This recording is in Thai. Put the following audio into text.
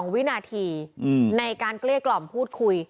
วินาทีในการเกลี้ยกล่อมพูดคุย